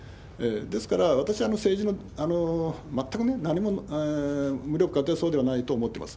ですから、私は政治の全くね、何も無力化というとそうではないと思ってます。